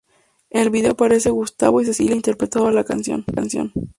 En el video aparecen Gustavo y Cecilia interpretando la canción.